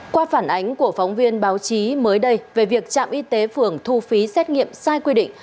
qua phản ánh của phóng viên báo chí mới đây về việc trạm y tế phường thu phí xét nghiệm sai quy định